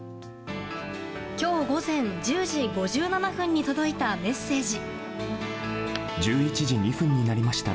今日、午前１０時５７分に届いたメッセージ。